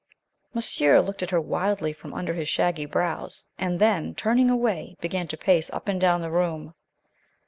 Monsieur looked at her wildly from under his shaggy brows, and then, turning away, began to pace up and down the room.